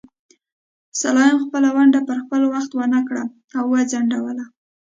سلایم خپله ونډه پر خپل وخت ورنکړه او وځنډوله.